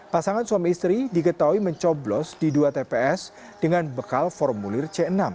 pasangan suami istri diketahui mencoblos di dua tps dengan bekal formulir c enam